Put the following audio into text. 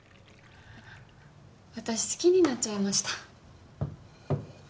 私好きになっちゃいました。